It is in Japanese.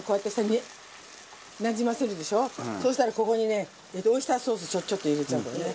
そしたらここにねオイスターソースチョッチョッと入れちゃうからね。